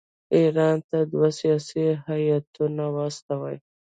ایران ته دوه سیاسي هیاتونه واستوي.